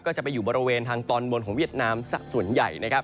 ก็จะไปอยู่บริเวณทางตอนบนของเวียดนามสักส่วนใหญ่นะครับ